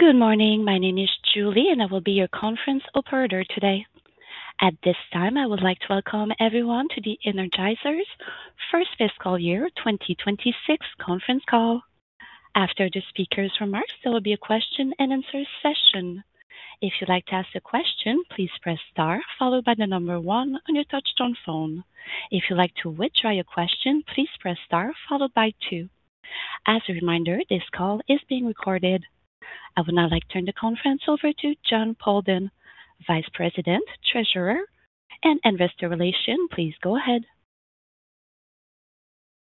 Good morning. My name is Julie, and I will be your conference operator today. At this time, I would like to welcome everyone to the Energizer's first fiscal year 2026 conference call. After the speaker's remarks, there will be a question-and-answer session. If you'd like to ask a question, please press star, followed by the number one on your touchtone phone. If you'd like to withdraw your question, please press star, followed by two. As a reminder, this call is being recorded. I would now like to turn the conference over to Jon Poldan, Vice President, Treasurer, and Investor Relations. Please go ahead.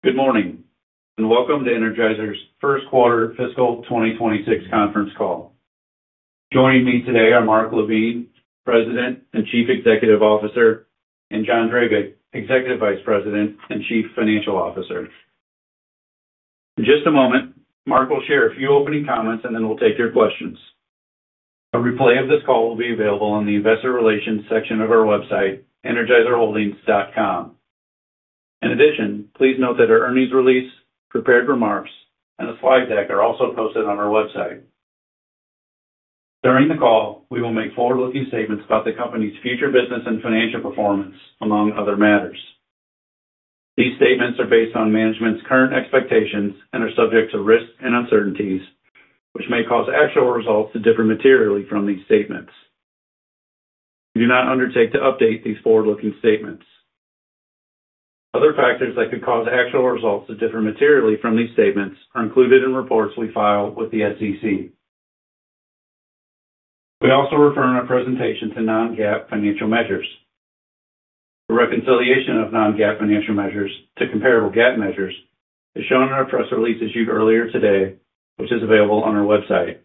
Good morning, and welcome to Energizer's first quarter fiscal 2026 conference call. Joining me today are Mark LaVigne, President and Chief Executive Officer, and John Drabik, Executive Vice President and Chief Financial Officer. In just a moment, Mark will share a few opening comments, and then we'll take your questions. A replay of this call will be available on the investor relations section of our website, energizerholdings.com. In addition, please note that our earnings release, prepared remarks, and the slide deck are also posted on our website. During the call, we will make forward-looking statements about the company's future business and financial performance, among other matters. These statements are based on management's current expectations and are subject to risks and uncertainties, which may cause actual results to differ materially from these statements. We do not undertake to update these forward-looking statements. Other factors that could cause actual results to differ materially from these statements are included in reports we file with the SEC. We also refer in our presentation to non-GAAP financial measures. The reconciliation of non-GAAP financial measures to comparable GAAP measures is shown in our press release issued earlier today, which is available on our website.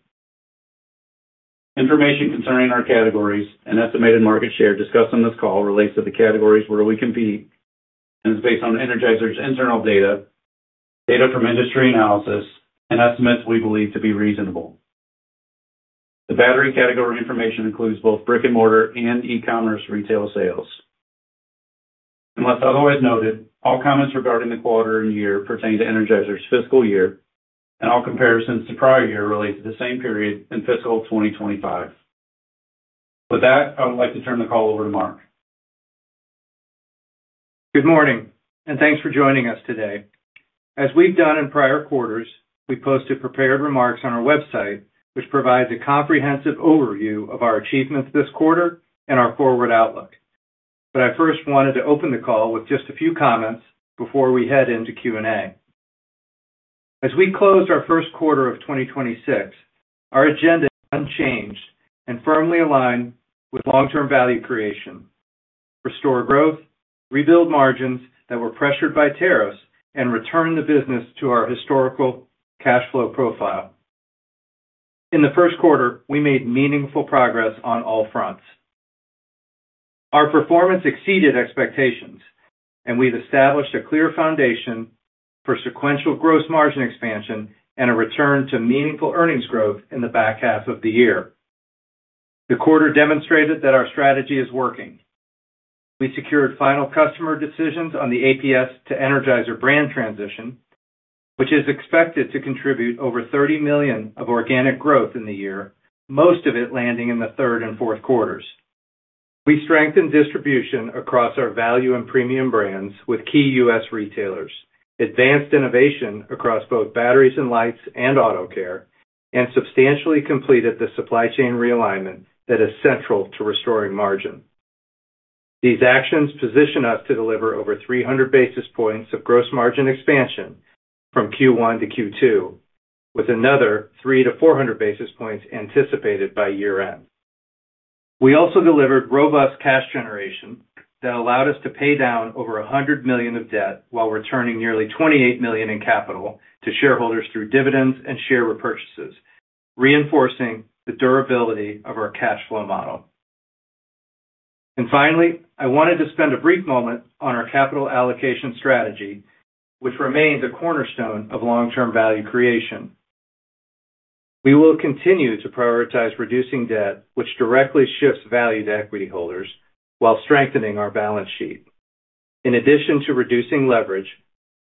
Information concerning our categories and estimated market share discussed on this call relates to the categories where we compete and is based on Energizer's internal data, data from industry analysis, and estimates we believe to be reasonable. The battery category information includes both brick-and-mortar and e-commerce retail sales. Unless otherwise noted, all comments regarding the quarter and year pertain to Energizer's fiscal year, and all comparisons to prior year relate to the same period in fiscal 2025. With that, I would like to turn the call over to Mark. Good morning, and thanks for joining us today. As we've done in prior quarters, we posted prepared remarks on our website, which provides a comprehensive overview of our achievements this quarter and our forward outlook. I first wanted to open the call with just a few comments before we head into Q&A. As we closed our first quarter of 2026, our agenda is unchanged and firmly aligned with long-term value creation, restore growth, rebuild margins that were pressured by tariffs, and return the business to our historical cash flow profile. In the first quarter, we made meaningful progress on all fronts. Our performance exceeded expectations, and we've established a clear foundation for sequential gross margin expansion and a return to meaningful earnings growth in the back half of the year. The quarter demonstrated that our strategy is working. We secured final customer decisions on the APS to Energizer brand transition, which is expected to contribute over $30 million of organic growth in the year, most of it landing in the third and fourth quarters. We strengthened distribution across our value and premium brands with key U.S. retailers, advanced innovation across both batteries and lights and auto care, and substantially completed the supply chain realignment that is central to restoring margin. These actions position us to deliver over 300 basis points of gross margin expansion from Q1 to Q2, with another 300-400 basis points anticipated by year-end. We also delivered robust cash generation that allowed us to pay down over $100 million of debt while returning nearly $28 million in capital to shareholders through dividends and share repurchases, reinforcing the durability of our cash flow model. Finally, I wanted to spend a brief moment on our capital allocation strategy, which remains a cornerstone of long-term value creation. We will continue to prioritize reducing debt, which directly shifts value to equity holders while strengthening our balance sheet. In addition to reducing leverage,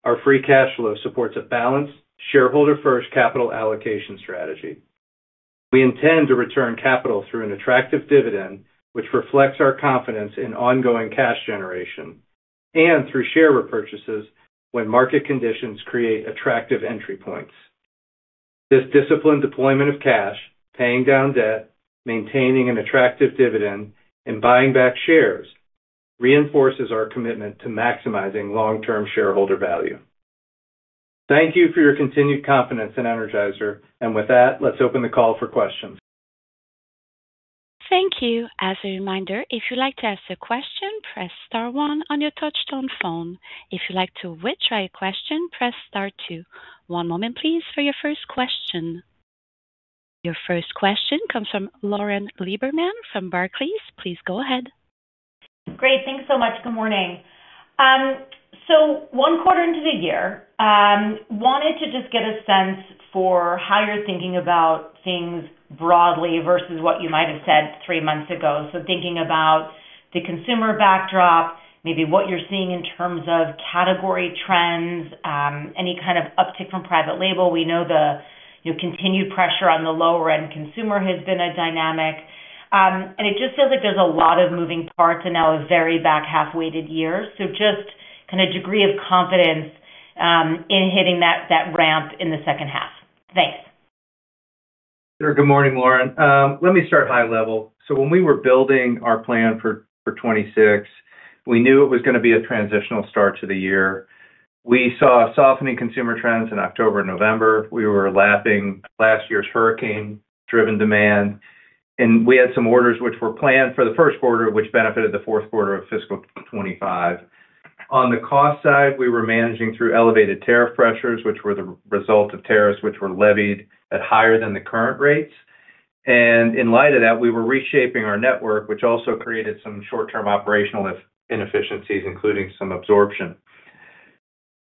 our free cash flow supports a balanced, shareholder-first capital allocation strategy. We intend to return capital through an attractive dividend, which reflects our confidence in ongoing cash generation, and through share repurchases when market conditions create attractive entry points. This disciplined deployment of cash, paying down debt, maintaining an attractive dividend, and buying back shares reinforces our commitment to maximizing long-term shareholder value. Thank you for your continued confidence in Energizer. With that, let's open the call for questions. Thank you. As a reminder, if you'd like to ask a question, press star one on your touchtone phone. If you'd like to withdraw your question, press star two. One moment, please, for your first question. Your first question comes from Lauren Lieberman from Barclays. Please go ahead. Great. Thanks so much. Good morning. So one quarter into the year, wanted to just get a sense for how you're thinking about things broadly versus what you might have said three months ago. So thinking about the consumer backdrop, maybe what you're seeing in terms of category trends, any kind of uptick from private label. We know the...... continued pressure on the lower-end consumer has been a dynamic. And it just feels like there's a lot of moving parts and now a very back-half-weighted year. So just kind of degree of confidence, in hitting that, that ramp in the second half. Thanks. Sure. Good morning, Lauren. Let me start high level. So when we were building our plan for 2026, we knew it was gonna be a transitional start to the year. We saw a softening consumer trends in October and November. We were lapping last year's hurricane-driven demand, and we had some orders which were planned for the first quarter, which benefited the fourth quarter of fiscal 2025. On the cost side, we were managing through elevated tariff pressures, which were the result of tariffs, which were levied at higher than the current rates. In light of that, we were reshaping our network, which also created some short-term operational inefficiencies, including some absorption.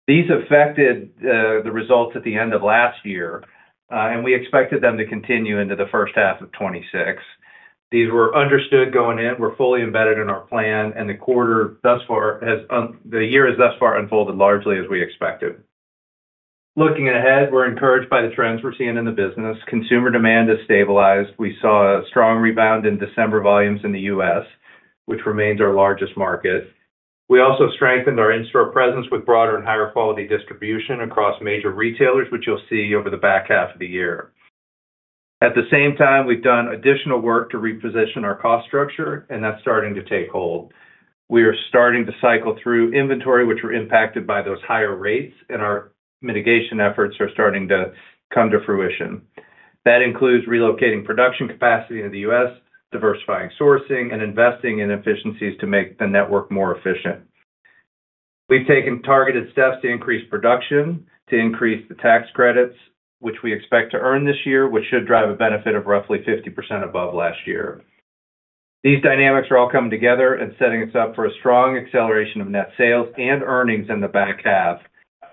These affected the results at the end of last year, and we expected them to continue into the first half of 2026. These were understood going in, we're fully embedded in our plan, and the year has thus far unfolded largely as we expected. Looking ahead, we're encouraged by the trends we're seeing in the business. Consumer demand has stabilized. We saw a strong rebound in December volumes in the U.S., which remains our largest market. We also strengthened our in-store presence with broader and higher quality distribution across major retailers, which you'll see over the back half of the year. At the same time, we've done additional work to reposition our cost structure, and that's starting to take hold. We are starting to cycle through inventory, which were impacted by those higher rates, and our mitigation efforts are starting to come to fruition. That includes relocating production capacity in the U.S., diversifying sourcing, and investing in efficiencies to make the network more efficient. We've taken targeted steps to increase production, to increase the tax credits, which we expect to earn this year, which should drive a benefit of roughly 50% above last year. These dynamics are all coming together and setting us up for a strong acceleration of net sales and earnings in the back half.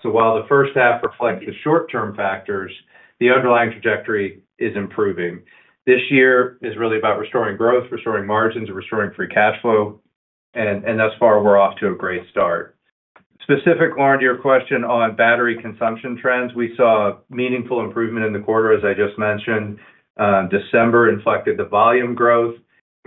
So while the first half reflects the short-term factors, the underlying trajectory is improving. This year is really about restoring growth, restoring margins, and restoring free cash flow, and, and thus far, we're off to a great start. Specific, Lauren, to your question on battery consumption trends, we saw a meaningful improvement in the quarter, as I just mentioned. December inflected the volume growth.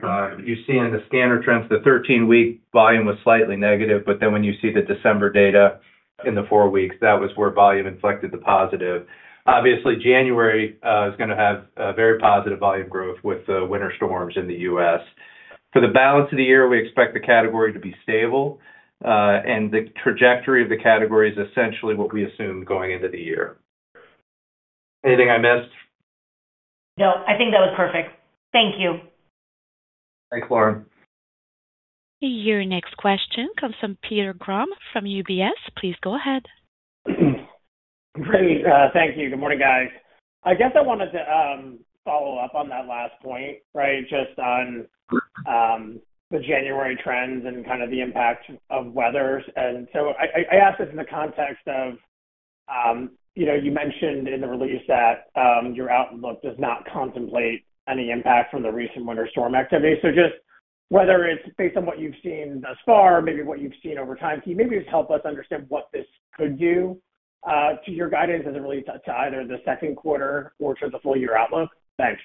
You see in the scanner trends, the 13-week volume was slightly negative, but then when you see the December data in the four weeks, that was where volume inflected the positive. Obviously, January is gonna have a very positive volume growth with the winter storms in the U.S. For the balance of the year, we expect the category to be stable, and the trajectory of the category is essentially what we assumed going into the year. Anything I missed? No, I think that was perfect. Thank you. Thanks, Lauren. Your next question comes from Peter Grom from UBS. Please go ahead. Great, thank you. Good morning, guys. I guess I wanted to follow up on that last point, right, just on the January trends and kind of the impact of weather's. And so I ask this in the context of, you know, you mentioned in the release that your outlook does not contemplate any impact from the recent winter storm activity. So just whether it's based on what you've seen thus far, maybe what you've seen over time, can you maybe just help us understand what this could do to your guidance as it relates to either the second quarter or to the full year outlook? Thanks.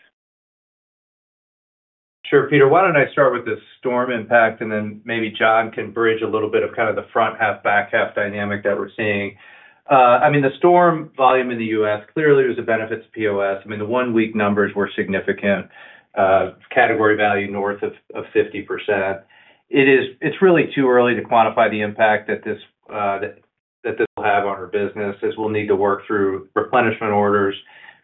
Sure, Peter. Why don't I start with the storm impact, and then maybe John can bridge a little bit of kind of the front half, back half dynamic that we're seeing. I mean, the storm volume in the U.S. clearly was a benefit to POS. I mean, the one-week numbers were significant, category value north of 50%. It's really too early to quantify the impact that this will have on our business, as we'll need to work through replenishment orders.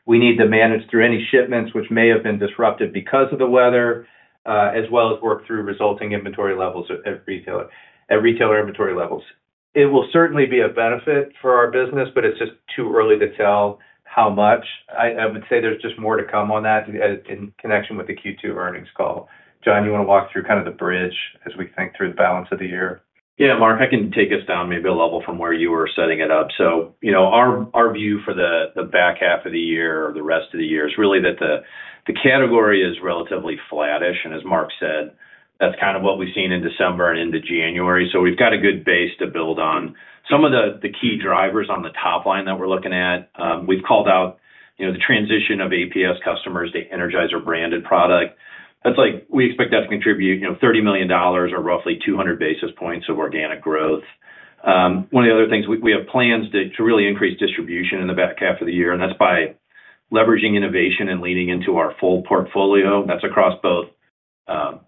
We need to manage through any shipments which may have been disrupted because of the weather, as well as work through resulting inventory levels at retailer inventory levels. It will certainly be a benefit for our business, but it's just too early to tell how much. I would say there's just more to come on that, in connection with the Q2 earnings call. John, you wanna walk through kind of the bridge as we think through the balance of the year? Yeah, Mark, I can take us down maybe a level from where you were setting it up. So, you know, our view for the back half of the year or the rest of the year is really that the category is relatively flattish, and as Mark said, that's kind of what we've seen in December and into January. So we've got a good base to build on. Some of the key drivers on the top line that we're looking at, we've called out, you know, the transition of APS customers to Energizer branded product. That's like we expect that to contribute, you know, $30 million or roughly 200 basis points of organic growth. One of the other things, we have plans to really increase distribution in the back half of the year, and that's by leveraging innovation and leaning into our full portfolio. That's across both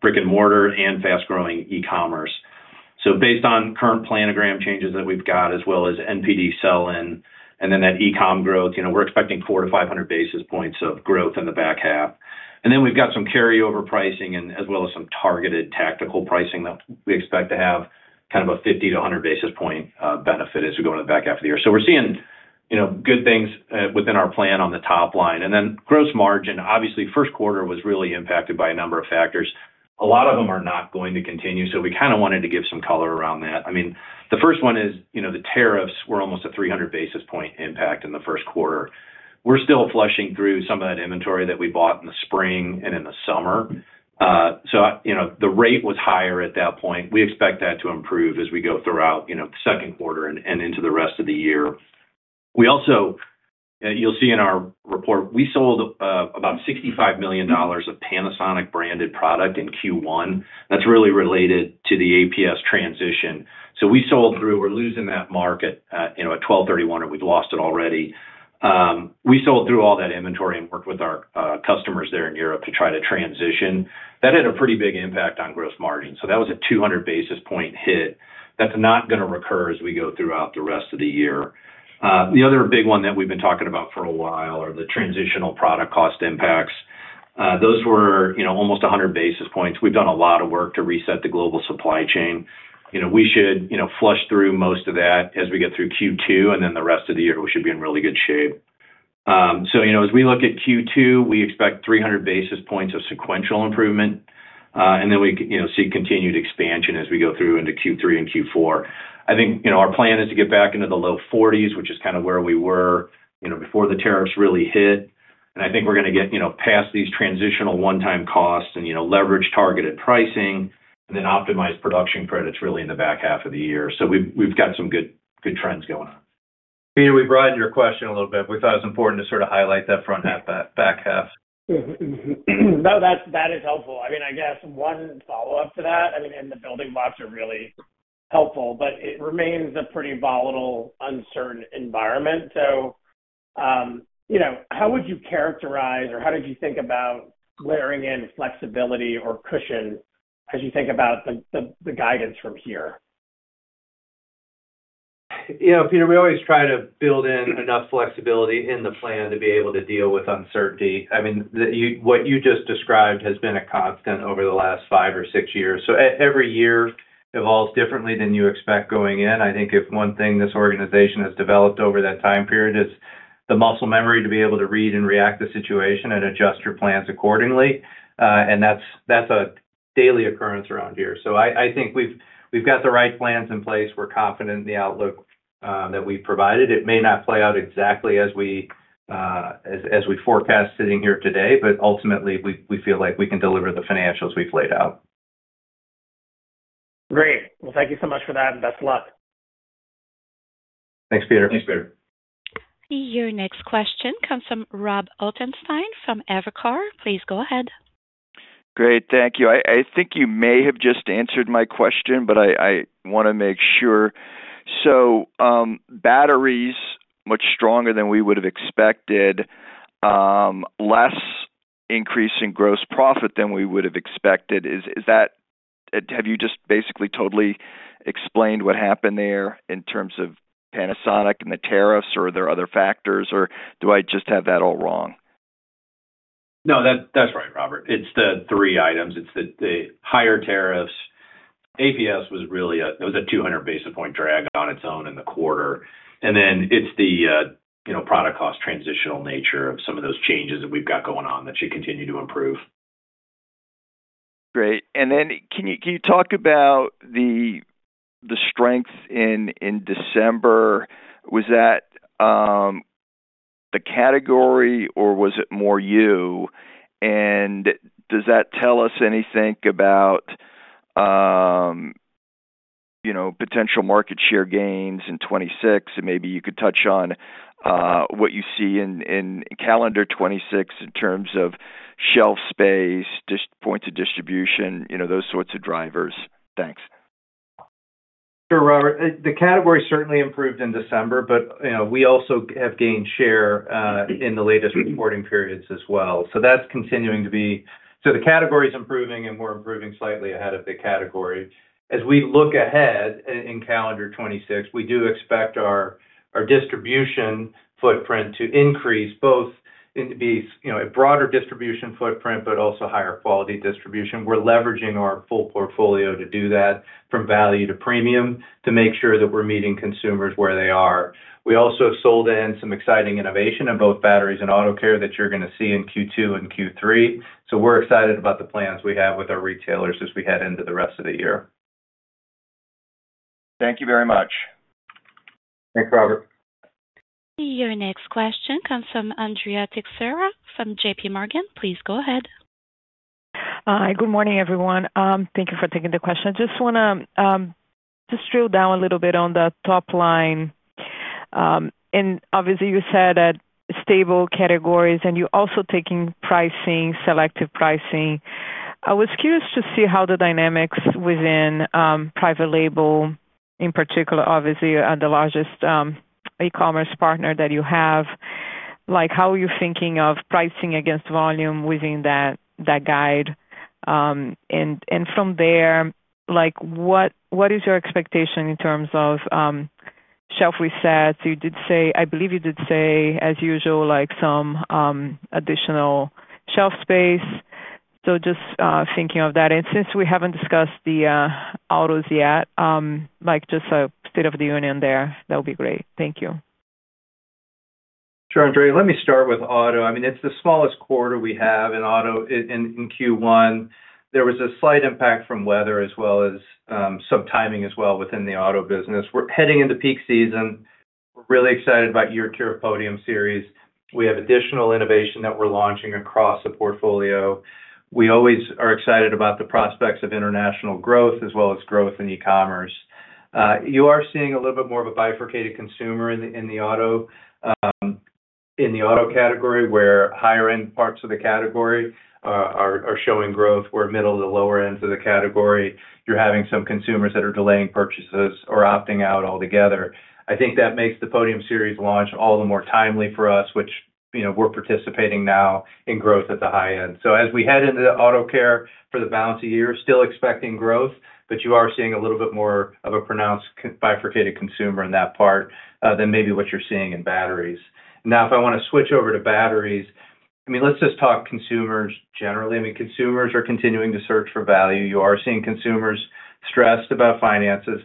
brick-and-mortar and fast-growing e-commerce. So based on current planogram changes that we've got, as well as NPD sell-in, and then that e-com growth, you know, we're expecting 400-500 basis points of growth in the back half. And then we've got some carryover pricing and as well as some targeted tactical pricing that we expect to have kind of a 50-100 basis point benefit as we go into the back half of the year. So we're seeing, you know, good things within our plan on the top line. And then gross margin, obviously, first quarter was really impacted by a number of factors. A lot of them are not going to continue, so we kind of wanted to give some color around that. I mean, the first one is, you know, the tariffs were almost a 300 basis point impact in the first quarter. We're still flushing through some of that inventory that we bought in the spring and in the summer. So, you know, the rate was higher at that point. We expect that to improve as we go throughout, you know, the second quarter and into the rest of the year.... We also, you'll see in our report, we sold about $65 million of Panasonic-branded product in Q1. That's really related to the APS transition. So we sold through. We're losing that market at, you know, at 12/31, and we've lost it already. We sold through all that inventory and worked with our customers there in Europe to try to transition. That had a pretty big impact on gross margin. So that was a 200 basis point hit. That's not gonna recur as we go throughout the rest of the year. The other big one that we've been talking about for a while are the transitional product cost impacts. Those were, you know, almost 100 basis points. We've done a lot of work to reset the global supply chain. You know, we should, you know, flush through most of that as we get through Q2, and then the rest of the year, we should be in really good shape. So, you know, as we look at Q2, we expect 300 basis points of sequential improvement, and then we, you know, see continued expansion as we go through into Q3 and Q4. I think, you know, our plan is to get back into the low forties, which is kind of where we were, you know, before the tariffs really hit. And I think we're gonna get, you know, past these transitional one-time costs and, you know, leverage targeted pricing and then optimize production credits really in the back half of the year. So we've got some good, good trends going on. Peter, we broadened your question a little bit. We thought it was important to sort of highlight that front half, that back half. Mm-hmm. Mm-hmm. No, that's, that is helpful. I mean, I guess one follow-up to that, I mean, and the building blocks are really helpful, but it remains a pretty volatile, uncertain environment. So, you know, how would you characterize, or how did you think about layering in flexibility or cushion as you think about the guidance from here? You know, Peter, we always try to build in enough flexibility in the plan to be able to deal with uncertainty. I mean, you, what you just described has been a constant over the last five or six years. So every year evolves differently than you expect going in. I think if one thing, this organization has developed over that time period is the muscle memory to be able to read and react to situation and adjust your plans accordingly. And that's a daily occurrence around here. So I think we've got the right plans in place. We're confident in the outlook that we've provided. It may not play out exactly as we as we forecast sitting here today, but ultimately, we feel like we can deliver the financials we've laid out. Great. Well, thank you so much for that, and best of luck. Thanks, Peter. Thanks, Peter. Your next question comes from Robert Ottenstein from Evercore ISI. Please go ahead. Great, thank you. I, I think you may have just answered my question, but I, I wanna make sure. So, batteries much stronger than we would have expected, less increase in gross profit than we would have expected. Is, is that? Have you just basically totally explained what happened there in terms of Panasonic and the tariffs, or are there other factors, or do I just have that all wrong? No, that's right, Robert. It's the three items. It's the higher tariffs. APS was really a, it was a 200 basis points drag on its own in the quarter. And then it's the, you know, product cost transitional nature of some of those changes that we've got going on, that should continue to improve. Great. And then can you talk about the strength in December? Was that the category, or was it more you? And does that tell us anything about, you know, potential market share gains in 2026, and maybe you could touch on what you see in calendar 2026 in terms of shelf space, points of distribution, you know, those sorts of drivers? Thanks. Sure, Robert. The category certainly improved in December, but, you know, we also have gained share in the latest reporting periods as well. So that's continuing to be... So the category is improving, and we're improving slightly ahead of the category. As we look ahead in calendar 2026, we do expect our, our distribution footprint to increase, both in to be, you know, a broader distribution footprint, but also higher quality distribution. We're leveraging our full portfolio to do that, from value to premium, to make sure that we're meeting consumers where they are. We also sold in some exciting innovation in both batteries and auto care that you're gonna see in Q2 and Q3. So we're excited about the plans we have with our retailers as we head into the rest of the year. Thank you very much. Thanks, Robert. Your next question comes from Andrea Teixeira from JPMorgan. Please go ahead. Hi, good morning, everyone. Thank you for taking the question. Just wanna, just drill down a little bit on the top line. And obviously, you said that stable categories, and you're also taking pricing, selective pricing. I was curious to see how the dynamics within, private label, in particular, obviously, are the largest, e-commerce partner that you have. Like, how are you thinking of pricing against volume within that, that guide? And from there, like, what is your expectation in terms of, shelf resets? You did say... I believe you did say as usual, like, some, additional shelf space. So just, thinking of that, and since we haven't discussed the, autos yet, like, just a state of the union there, that would be great. Thank you. Sure, Andrea. Let me start with auto. I mean, it's the smallest quarter we have in auto. In Q1, there was a slight impact from weather as well as some timing as well within the auto business. We're heading into peak season. We're really excited about Armor All Podium Series. We have additional innovation that we're launching across the portfolio. We're always excited about the prospects of international growth as well as growth in e-commerce. You are seeing a little bit more of a bifurcated consumer in the auto category, where higher-end parts of the category are showing growth, where middle to lower ends of the category, you're having some consumers that are delaying purchases or opting out altogether. I think that makes the Podium series launch all the more timely for us, which, you know, we're participating now in growth at the high end. So as we head into the auto care for the balance of the year, still expecting growth, but you are seeing a little bit more of a pronounced bifurcated consumer in that part than maybe what you're seeing in batteries. Now, if I wanna switch over to batteries, I mean, let's just talk consumers generally. I mean, consumers are continuing to search for value. You are seeing consumers stressed about finances.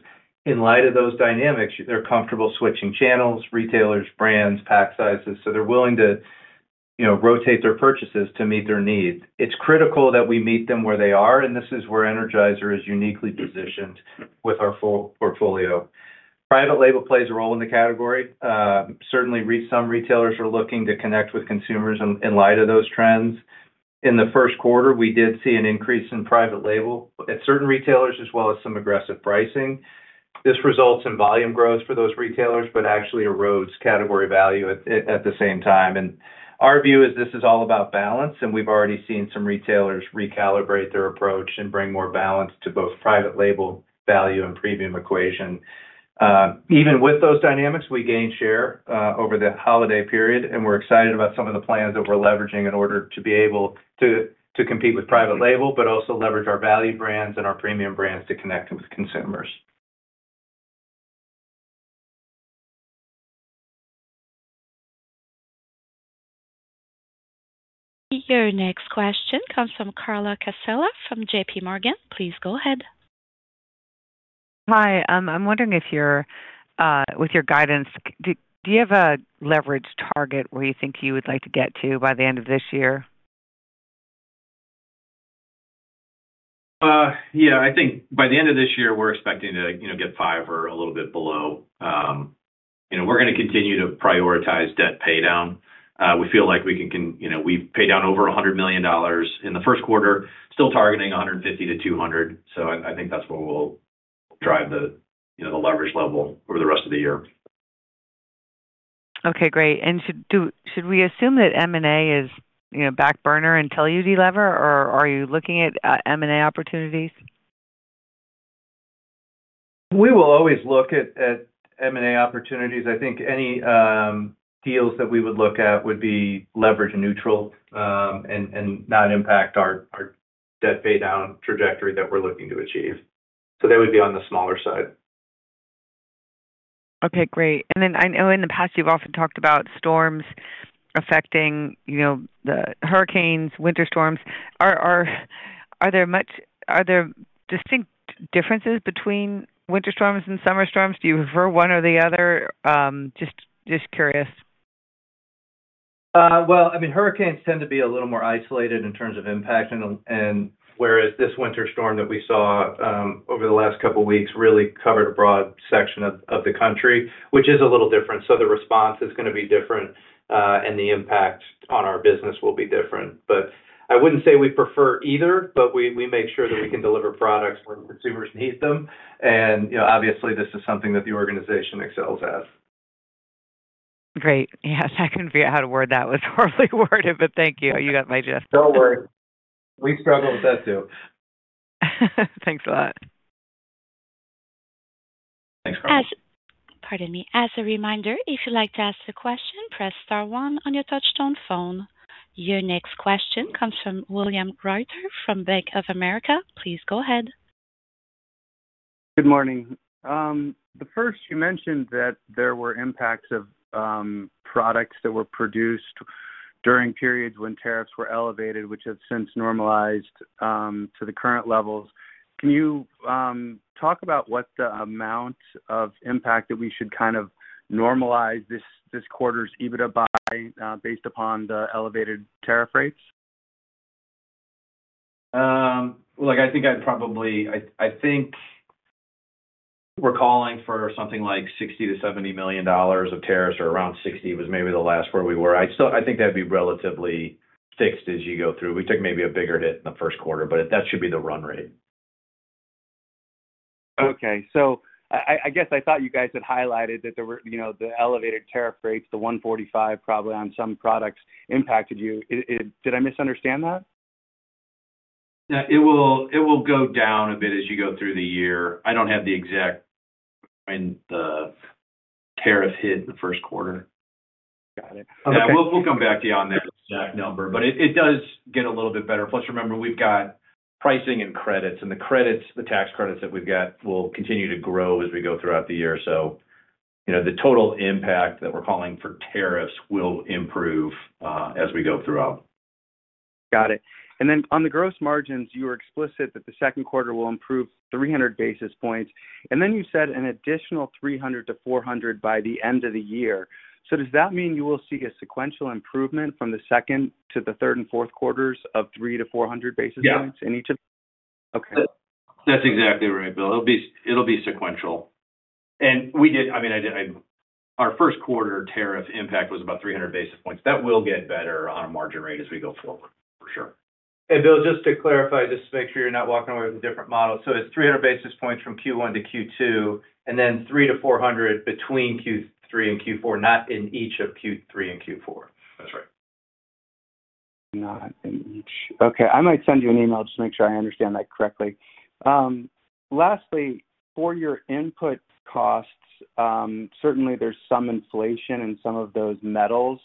In light of those dynamics, they're comfortable switching channels, retailers, brands, pack sizes, so they're willing to, you know, rotate their purchases to meet their needs. It's critical that we meet them where they are, and this is where Energizer is uniquely positioned with our full portfolio. Private label plays a role in the category. Certainly, some retailers are looking to connect with consumers in light of those trends. In the first quarter, we did see an increase in private label at certain retailers, as well as some aggressive pricing. This results in volume growth for those retailers, but actually erodes category value at the same time. Our view is this is all about balance, and we've already seen some retailers recalibrate their approach and bring more balance to both private label value and premium equation. Even with those dynamics, we gained share over the holiday period, and we're excited about some of the plans that we're leveraging in order to be able to compete with private label, but also leverage our value brands and our premium brands to connect with consumers. Your next question comes from Carla Casella from JPMorgan. Please go ahead. Hi, I'm wondering if, with your guidance, do you have a leverage target where you think you would like to get to by the end of this year? Yeah, I think by the end of this year, we're expecting to, you know, get five or a little bit below. And we're gonna continue to prioritize debt paydown. We feel like we can, you know, we've paid down over $100 million in the first quarter, still targeting $150 million-$200 million. So I think that's what will drive the, you know, the leverage level over the rest of the year. Okay, great. And should we assume that M&A is, you know, back burner until you delever, or are you looking at M&A opportunities? We will always look at M&A opportunities. I think any deals that we would look at would be leverage neutral, and not impact our debt paydown trajectory that we're looking to achieve. So they would be on the smaller side. Okay, great. And then I know in the past, you've often talked about storms affecting, you know, the hurricanes, winter storms. Are there distinct differences between winter storms and summer storms? Do you prefer one or the other? Just curious. Well, I mean, hurricanes tend to be a little more isolated in terms of impact and whereas this winter storm that we saw over the last couple of weeks really covered a broad section of the country, which is a little different. So the response is gonna be different and the impact on our business will be different. But I wouldn't say we prefer either, but we make sure that we can deliver products when consumers need them. And, you know, obviously, this is something that the organization excels at. Great. Yes, I couldn't figure out how to word that one. It was horribly worded, but thank you. You got my gist. Don't worry. We struggle with that, too. Thanks a lot. Thanks, Carla. Pardon me. As a reminder, if you'd like to ask a question, press star one on your touchtone phone. Your next question comes from William Reuter from Bank of America. Please go ahead. Good morning. The first, you mentioned that there were impacts of products that were produced during periods when tariffs were elevated, which have since normalized to the current levels. Can you talk about what the amount of impact that we should kind of normalize this, this quarter's EBITDA by, based upon the elevated tariff rates? Look, I think I'd probably—I think we're calling for something like $60 million-$70 million of tariffs, or around 60 was maybe the last where we were. I still think that'd be relatively fixed as you go through. We took maybe a bigger hit in the first quarter, but that should be the run rate. Okay, so I guess I thought you guys had highlighted that there were, you know, the elevated tariff rates, the 145, probably on some products impacted you. Did I misunderstand that? Yeah, it will, it will go down a bit as you go through the year. I don't have the exact when the tariffs hit in the first quarter. Got it. Yeah, we'll come back to you on the exact number, but it does get a little bit better. Plus, remember, we've got pricing and credits, and the credits, the tax credits that we've got, will continue to grow as we go throughout the year. So you know, the total impact that we're calling for tariffs will improve as we go throughout. Got it. And then on the gross margins, you were explicit that the second quarter will improve 300 basis points, and then you said an additional 300-400 by the end of the year. So does that mean you will see a sequential improvement from the second to the third and fourth quarters of 300-400 basis points? Yeah. Okay. That's exactly right, Bill. It'll be, it'll be sequential.... And we did, I mean, our first quarter tariff impact was about 300 basis points. That will get better on a margin rate as we go forward, for sure. Bill, just to clarify, just to make sure you're not walking away with a different model. It's 300 basis points from Q1 to Q2, and then 300-400 between Q3 and Q4, not in each of Q3 and Q4. That's right. Not in each. Okay, I might send you an email just to make sure I understand that correctly. Lastly, for your input costs, certainly there's some inflation in some of those metals.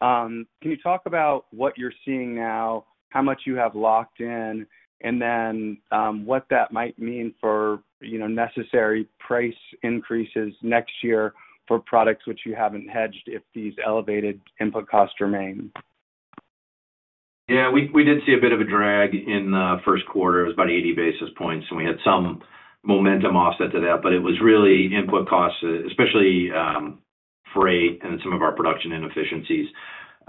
Can you talk about what you're seeing now, how much you have locked in, and then, what that might mean for, you know, necessary price increases next year for products which you haven't hedged, if these elevated input costs remain? Yeah, we, we did see a bit of a drag in the first quarter. It was about 80 basis points, and we had some momentum offset to that, but it was really input costs, especially, freight and some of our production inefficiencies.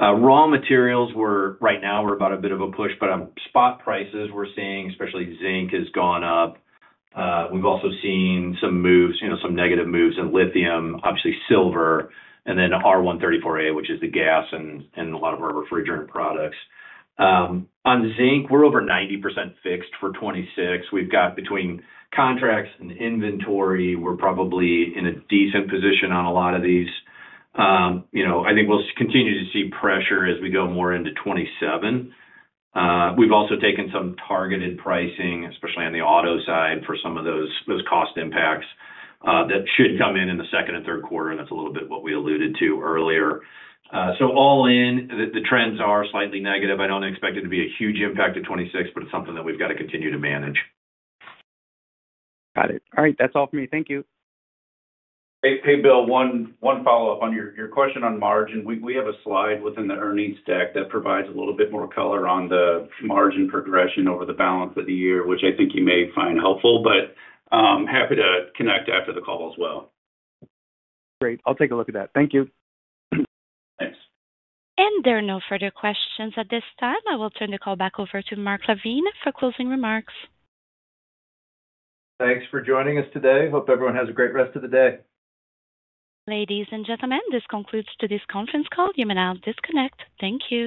Raw materials were, right now, we're about a bit of a push, but on spot prices, we're seeing especially zinc has gone up. We've also seen some moves, you know, some negative moves in lithium, obviously silver, and then R-134a, which is the gas in, in a lot of our refrigerant products. On zinc, we're over 90% fixed for 2026. We've got between contracts and inventory, we're probably in a decent position on a lot of these. You know, I think we'll continue to see pressure as we go more into 2027. We've also taken some targeted pricing, especially on the auto side, for some of those, those cost impacts, that should come in in the second and third quarter, and that's a little bit what we alluded to earlier. So all in, the trends are slightly negative. I don't expect it to be a huge impact at 2026, but it's something that we've got to continue to manage. Got it. All right. That's all for me. Thank you. Hey, Bill, one follow-up on your question on margin. We have a slide within the earnings deck that provides a little bit more color on the margin progression over the balance of the year, which I think you may find helpful, but happy to connect after the call as well. Great. I'll take a look at that. Thank you. Thanks. There are no further questions at this time. I will turn the call back over to Mark LaVigne for closing remarks. Thanks for joining us today. Hope everyone has a great rest of the day. Ladies and gentlemen, this concludes today's conference call. You may now disconnect. Thank you.